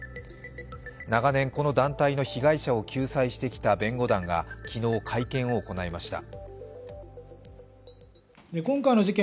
長年この団体の被害者を救済してきた弁護団が昨日、会見を行いました。